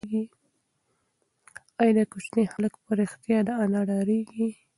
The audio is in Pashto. ایا دا کوچنی هلک په رښتیا له انا ډارېږي؟